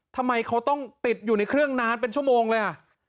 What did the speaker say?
ทำไมเขาต้องติดอยู่ในเครื่องนานเป็นชั่วโมงเลยอ่ะ